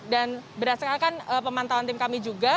dan berdasarkan pemantauan tim kami juga